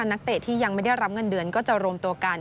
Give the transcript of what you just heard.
นักเตะที่ยังไม่ได้รับเงินเดือนก็จะรวมตัวกัน